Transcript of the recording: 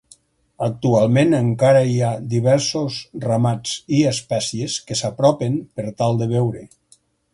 Actualment encara hi ha diversos ramats i espècies que s'apropen per tal de veure.